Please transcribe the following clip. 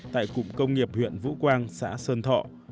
tại cụng công nghiệp huyện vũ quang xã sơn thọ